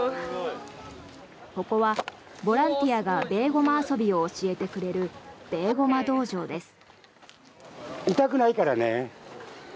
ここはボランティアがベーゴマ遊びを教えてくれるベーゴマ道場です。